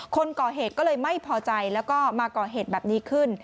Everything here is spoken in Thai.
คนก่อเหตุก็เลยไม่พอใจแล้วก็มาก่อเหตุแบบนี้ขึ้น